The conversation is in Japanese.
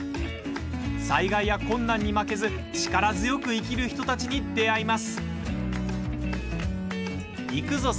災害や困難に負けず力強く生きる人たちに出会います。